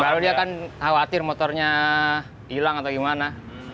baru dia kan khawatir motornya hilang atau gimana